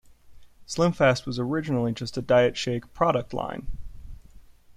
SlimFast was originally just a diet shake product line.